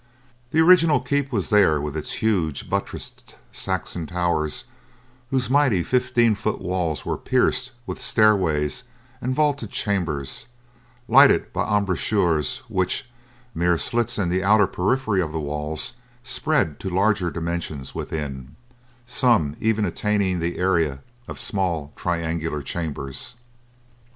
The original keep was there with its huge, buttressed Saxon towers whose mighty fifteen foot walls were pierced with stairways and vaulted chambers, lighted by embrasures which, mere slits in the outer periphery of the walls, spread to larger dimensions within, some even attaining the area of small triangular chambers.